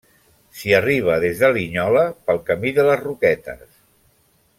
S'hi arriba, des de Linyola, pel Camí de les Roquetes.